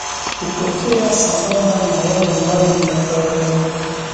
hutokea sambamba na yale ambayo ni ya kawaida